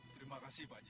terima kasih pak haji